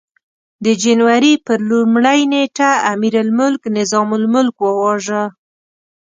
د جنوري پر لومړۍ نېټه امیرالملک نظام الملک وواژه.